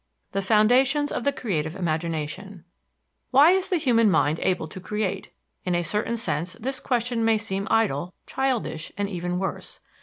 CONCLUSION I THE FOUNDATIONS OF THE CREATIVE IMAGINATION Why is the human mind able to create? In a certain sense this question may seem idle, childish, and even worse.